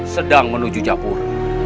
sedang menuju japur